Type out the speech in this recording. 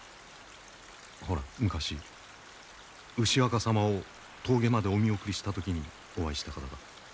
ほら昔牛若様を峠までお見送りした時にお会いした方だ。